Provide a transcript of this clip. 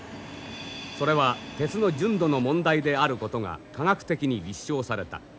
それは鉄の純度の問題であることが科学的に立証された。